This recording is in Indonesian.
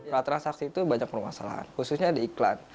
pra transaksi itu banyak permasalahan khususnya di iklan